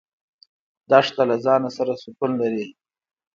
دښته له ځانه سره سکون لري.